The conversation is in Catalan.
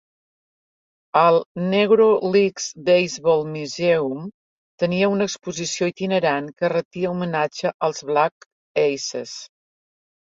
El Negro Leagues Baseball Museum tenia una exposició itinerant que retia homenatge als Black Aces.